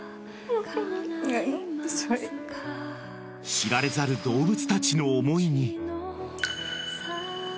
［知られざる動物たちの思いに］